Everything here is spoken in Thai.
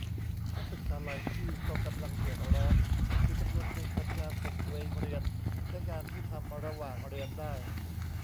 นักศึกษาหลายที่ก็กำลังเดือดร้อน คือจำนวนนึงทำงานส่งตัวเองเรียน และงานที่ทำระหว่างเรียนได้